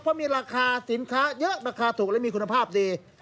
เพราะมีราคาสินค้าเยอะราคาถูกและมีคุณภาพดี